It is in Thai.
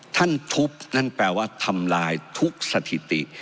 ท่านทุบนั่นแปลว่าทำลายทุกสถิติ